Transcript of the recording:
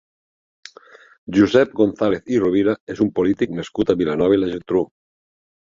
Josep González i Rovira és un polític nascut a Vilanova i la Geltrú.